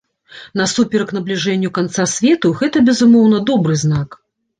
Насуперак набліжэнню канца свету, гэта, безумоўна, добры знак.